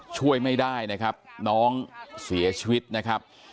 ช่วยไม่ได้นะครับน้องเสียชีวิตนะครับ